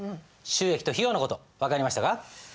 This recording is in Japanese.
収益と費用の事分かりましたか？